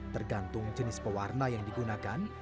tergantung jenis pewarna yang digunakan